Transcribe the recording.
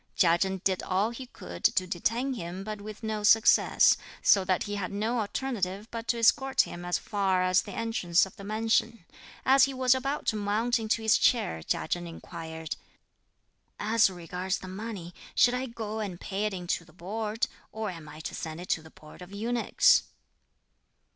Chia Chen did all he could to detain him, but with no success; so that he had no alternative but to escort him as far as the entrance of the Mansion. As he was about to mount into his chair, Chia Chen inquired, "As regards the money, shall I go and pay it into the Board, or am I to send it to the Board of Eunuchs?"